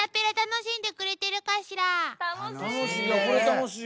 楽しい！